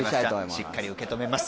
しっかり受け止めます